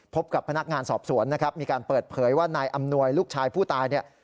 พบกับพนักงานสอบสวนนะครับมีการเปิดเผยว่านายอำนวยลูกชายผู้ตายเนี่ย